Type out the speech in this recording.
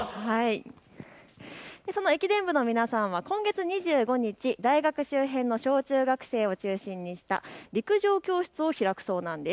その駅伝部の皆さんは今月２５日、大学周辺の小中学生を中心にした陸上教室を開くそうなんです。